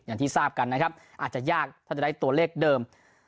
อย่างที่ทราบกันนะครับอาจจะยากถ้าจะได้ตัวเลขเดิม